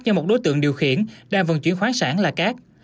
do một đối tượng điều khiển đang vận chuyển khoáng sản là cát